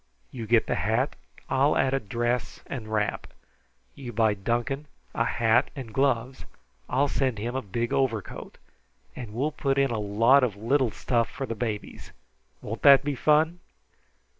You get the hat. I'll add a dress and wrap. You buy Duncan a hat and gloves. I'll send him a big overcoat, and we'll put in a lot of little stuff for the babies. Won't that be fun?"